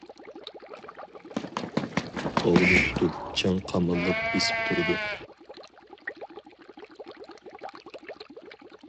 ئوۋنى تۇتۇپ چىڭ قاماللاپ بېسىپ تۇرىدۇ.